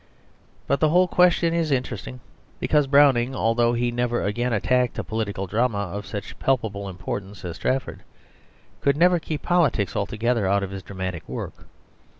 But the whole question is interesting, because Browning, although he never again attacked a political drama of such palpable importance as Strafford, could never keep politics altogether out of his dramatic work.